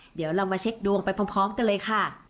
เดี๋ยวเรามาเช็คดวงไปพร้อมกันเลยค่ะ